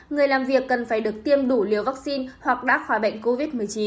người làm việc cần phải được tiêm đủ liều vaccine hoặc đã khỏi bệnh covid một mươi chín